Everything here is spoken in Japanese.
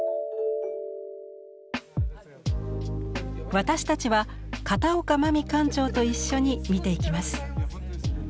私たちは片岡真実館長と一緒に見ていきます。